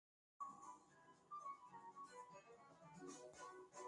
Tyrrell was born in Weston, Ontario, the third child of William and Elizabeth Tyrrell.